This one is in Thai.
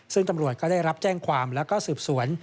ซึ่งตำรวจก็ได้รับแจ้งความแล้วก็สืบสวน